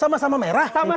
sama sama merah pak